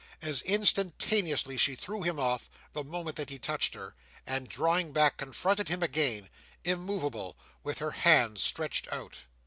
As instantaneously she threw him off, the moment that he touched her, and, drawing back, confronted him again, immoveable, with her hand stretched out.